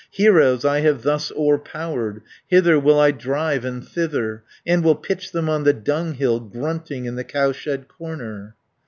Heroes I have thus o'erpowered, Hither will I drive and thither. 280 And will pitch them on the dunghill, Grunting in the cowshed corner."